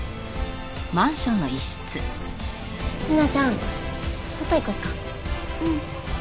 ルナちゃん外行こうか。